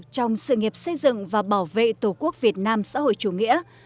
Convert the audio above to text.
trong sự nghiệp xây dựng và bảo vệ tổ quốc việt nam xã hội chủ nghĩa